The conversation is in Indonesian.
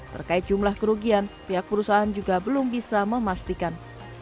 terkait jumlah kerugian pihak perusahaan juga belum bisa memastikan